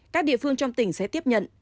các địa phương trong tỉnh sẽ tiếp nhận